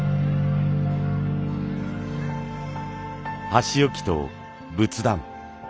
箸置きと仏壇。